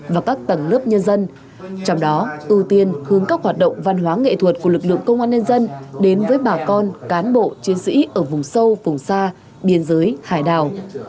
và các tầng lớp nhân dân trong đó ưu tiên hướng các hoạt động văn hóa nghệ thuật của lực lượng công an nhân dân đến với bà con cán bộ chiến sĩ ở vùng sâu vùng xa biên giới hải đảo